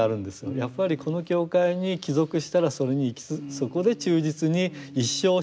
やっぱりこの教会に帰属したらそれにそこで忠実に一生信仰生活をすべきだと。